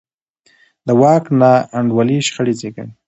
د واک ناانډولي شخړې زېږوي